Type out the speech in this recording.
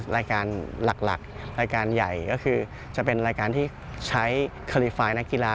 รายการหลักรายการใหญ่ก็คือจะเป็นรายการที่ใช้คารีไฟล์นักกีฬา